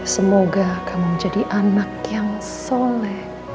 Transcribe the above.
semoga kamu menjadi anak yang soleh